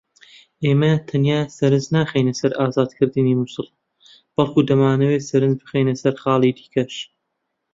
ئێمە تەنیا سەرنج ناخەینە سەر ئازادکردنی موسڵ بەڵکو دەمانەوێت سەرنج بخەینە سەر خاڵی دیکەش